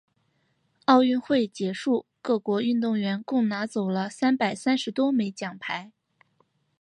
奥运会结束，各国运动员共拿走了三百三十多枚奖牌。